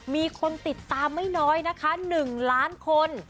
มีคนติดตามไม่น้อยนะคะ๑ล้านคน